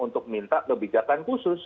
untuk minta kebijakan khusus